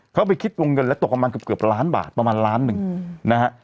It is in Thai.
เขาไปคิดวงเงินแล้วตกประมาณเกือบล้านบาทประมาณล้านหนึ่งนะฮะ